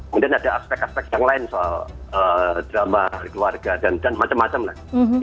kemudian ada aspek aspek yang lain soal drama keluarga dan macam macam lah